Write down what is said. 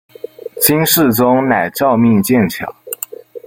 金世宗乃诏命建桥。